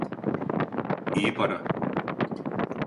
İyi para.